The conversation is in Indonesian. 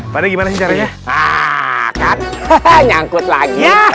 pada gimana caranya nyangkut lagi